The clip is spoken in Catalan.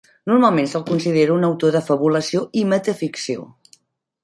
Normalment se'l considera un autor de fabulació i metaficció.